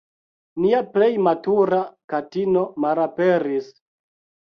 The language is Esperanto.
Nia plej matura katino malaperis.